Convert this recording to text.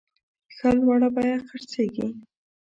ښه لوړه بیه خرڅیږي.